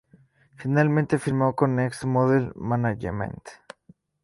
Finalmente firmó con Next Model Management.